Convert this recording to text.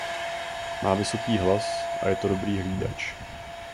Má vysoký hlas a je to dobrý hlídač.